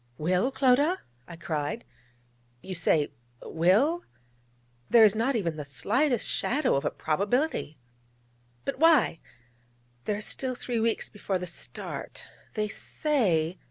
'"Will," Clodagh?' I cried. 'You say "will"? there is not even the slightest shadow of a probability !' 'But why? There are still three weeks before the start. They say...'